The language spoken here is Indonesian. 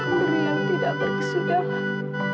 kudri yang tidak berkesudahan